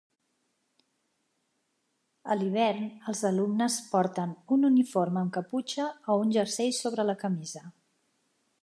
A l'hivern, els alumnes porten un uniforme amb caputxa o un jersei sobre la camisa.